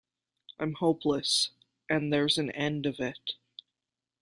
I'm hopeless, and there's an end of it.